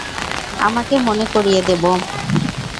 আমাকে মনে করিয়ে দেবো।